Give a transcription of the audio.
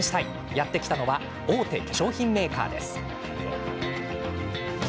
やって来たのは大手化粧品メーカーです。